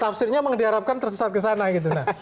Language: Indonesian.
tafsirnya memang diharapkan tersesat ke sana gitu